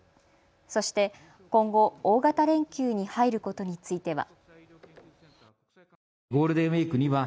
そして今後、大型連休に入ることについては。